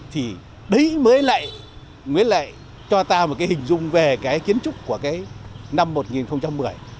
thì đấy mới lại cho ta một cái hình dung về cái kiến trúc của cái năm một nghìn một mươi